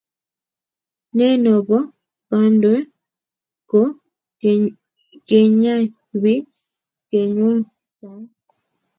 Ne bo kandoe ko kenyay bii koyan sae.